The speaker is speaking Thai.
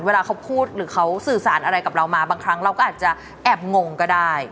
เวลาเขาพูดหรือเขาสื่อสารอะไรกับเรามาบางครั้งเราก็อาจจะแอบงงก็ได้